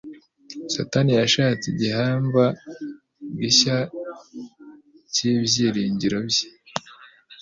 Satani yashatse igihamva gishya cy'ibyiringiro bye'.